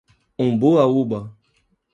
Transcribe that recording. Umbaúba